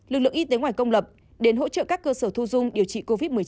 lực lượng y tế ngoài công lập đến hỗ trợ các cơ sở thu dung điều trị covid một mươi chín